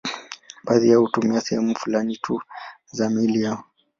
Baadhi yao hutumia sehemu fulani tu za miili yao.